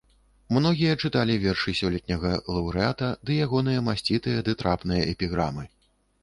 Многія чыталі вершы сёлетняга лаўрэата ды ягоныя масцітыя ды трапныя эпіграмы.